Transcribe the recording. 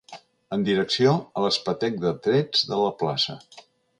En direcció a l'espetec de trets de la plaça